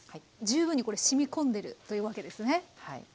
十分にこれしみ込んでるというわけですね。